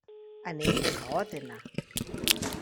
Anem a Òdena.